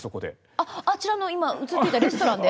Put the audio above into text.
あっあちらの今映っていたレストランで！？